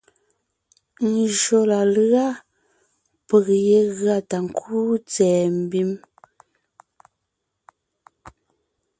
Njÿó la lʉ́a peg yé gʉa ta ńkúu tsɛ̀ɛ mbím,